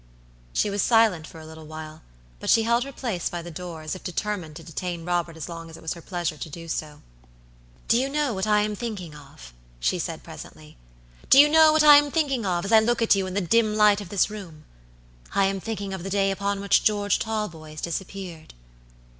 She was silent for a little while, but she held her place by the door, as if determined to detain Robert as long as it was her pleasure to do so. "Do you know what I am thinking of?" she said, presently. "Do you know what I am thinking of, as I look at you in the dim light of this room? I am thinking of the day upon which George Talboys disappeared."